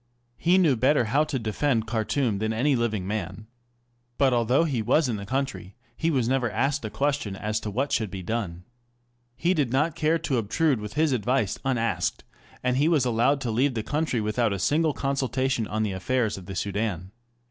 He knew better how to defend Khartoum than any living man. But although he was in the country, he was never asked a question as to what should be done. He did not care to obtrude with his advice unasked, and he was allowed to leave the country without a single consultation on the affairs of the Soudan.